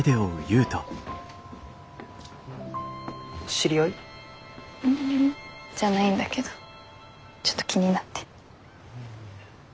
知り合い？じゃないんだけどちょっと気になって。